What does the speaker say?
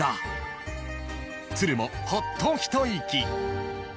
［都留もほっと一息］